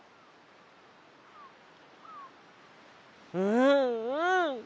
うんうん！